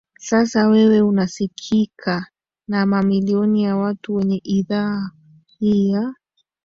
sasa wewe unasikika na mamilioni ya watu kwenye idhaa hii ya